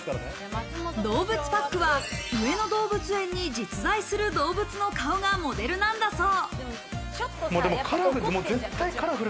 動物パックは上野動物園に実在する動物が顔のモデルなんだそう。